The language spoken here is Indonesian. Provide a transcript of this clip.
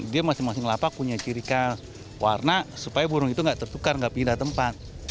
dia masing masing lapak punya ciri khas warna supaya burung itu nggak tertukar nggak pindah tempat